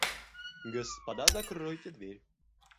Господа закройте дверь.